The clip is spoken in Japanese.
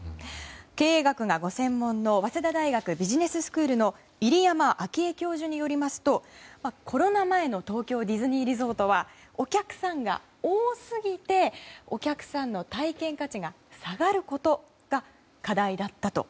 経営学がご専門の早稲田大学ビジネススクールの入山章栄教授によりますとコロナ前の東京ディズニーリゾートはお客さんが多すぎてお客さんの体験価値が下がることが課題だったと。